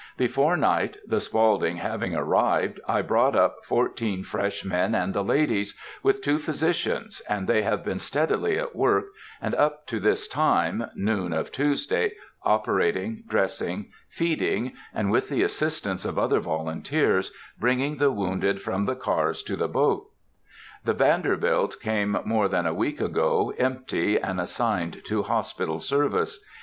Before night, the Spaulding having arrived, I brought up fourteen fresh men and the ladies, with two physicians, and they have been steadily at work, and up to this time (noon of Tuesday) operating, dressing, feeding, and, with the assistance of other volunteers, bringing the wounded from the cars to the boat. The Vanderbilt came more than a week ago, empty, and assigned to hospital service.